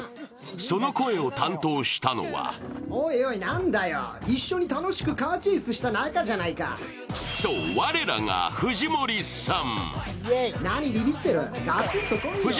その声を担当したのはそう、我らが藤森さん。